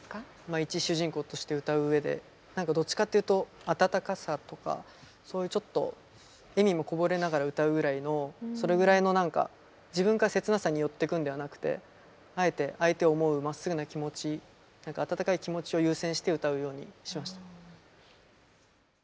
いち主人公として歌う上でなんかどっちかっていうと温かさとかそういうちょっと笑みもこぼれながら歌うぐらいのそれぐらいのなんか自分から切なさに寄ってくんではなくてあえて相手を思うまっすぐな気持ち温かい気持ちを優先して歌うようにしました。